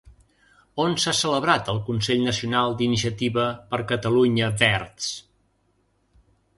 On s'ha celebrat el Consell Nacional d'Iniciativa per Catalunya Verds?